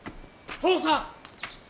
父さん！